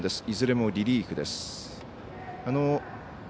いずれもリリーフです。